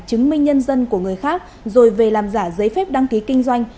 chứng minh nhân dân của người khác rồi về làm giả giấy phép đăng ký kinh doanh